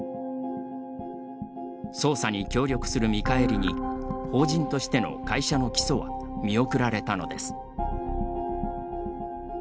捜査に協力する見返りに法人としての会社の起訴は見送られたのです。